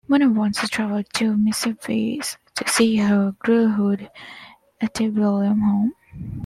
Mona wants to travel to Mississippi to see her girlhood antebellum home.